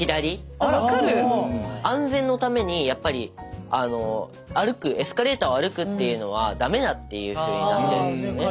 安全のためにやっぱり歩くエスカレーターを歩くっていうのは駄目だっていうふうになってるんですよね。